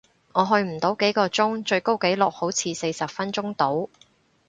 我去唔到幾個鐘，最高紀錄好似四十分鐘度